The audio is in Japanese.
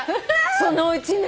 そのうちね。